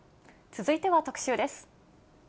続いては特集です。